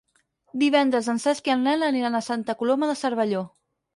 Divendres en Cesc i en Nel aniran a Santa Coloma de Cervelló.